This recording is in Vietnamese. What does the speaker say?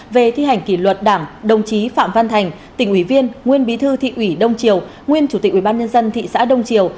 về thi hành kỷ luật đảng đồng chí phạm văn thành tỉnh ủy viên nguyên bí thư thị ủy đông triều nguyên chủ tịch ubnd thị xã đông triều